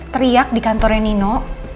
teriak di kantornya nino